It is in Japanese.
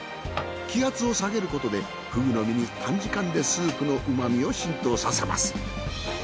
気圧を下げることでふぐの身に短時間でスープの旨味を浸透させます。